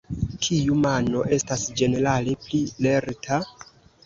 Kiu mano estas ĝenerale pli lerta?